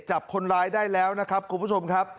จับคนร้ายได้แล้วนะครับคุณผู้ชมครับ